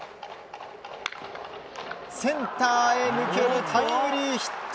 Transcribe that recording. センターへ抜けるタイムリーヒット。